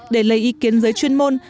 để lấy ý kiến giới chuyên môn